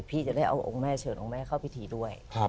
พี่จะได้เอาองค์แม่เชิญองค์แม่เข้าพิธีด้วย